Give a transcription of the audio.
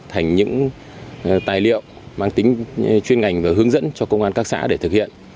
thành những tài liệu mang tính chuyên ngành và hướng dẫn cho công an các xã để thực hiện